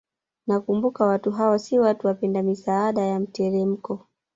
Nakumbuka watu hawa si watu wapenda misaada ya mteremko